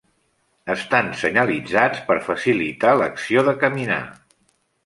Estan senyalitzats per facilitar l’acció de caminar.